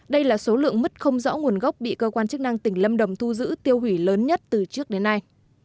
đây là số lượng mứt không rõ nguồn gốc bị cơ quan chức năng tỉnh lâm đồng thu giữ tiêu hủy lớn nhất từ trước đến nay